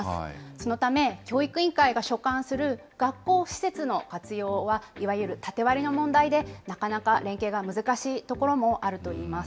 そのため、教育委員会が所管する学校施設の活用は、いわゆる縦割りの問題で、なかなか連携が難しいところもあるといいます。